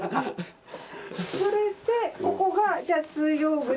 それでここがじゃ通用口